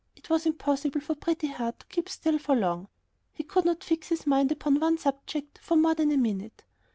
It was impossible for Pretty Heart to keep still for long. He could not fix his mind upon one subject for more than a minute.